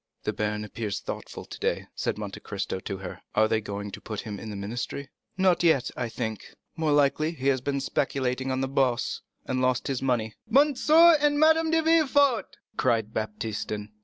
"The baron appears thoughtful today," said Monte Cristo to her; "are they going to put him in the ministry?" "Not yet, I think. More likely he has been speculating on the Bourse, and has lost money." "M. and Madame de Villefort," cried Baptistin.